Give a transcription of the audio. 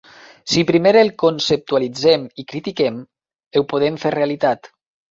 Si primer el conceptualitzem i critiquem, ho podem fer realitat.